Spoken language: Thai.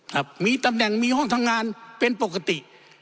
ครับมีตำแหน่งมีห้องทำงานเป็นปกติ